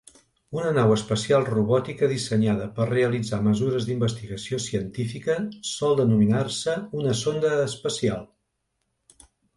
Una nau espacial robòtica dissenyada per realitzar mesures d'investigació científica sol denominar-se una sonda espacial.